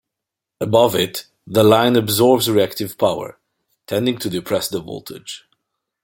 Above it, the line absorbs reactive power, tending to depress the voltage.